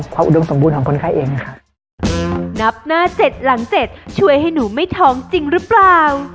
ความอุดลงสมบูรณ์ของคนไข้เองอย่างนี้ค่ะ